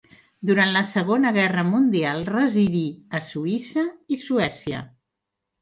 Durant la segona guerra mundial residí a Suïssa i Suècia.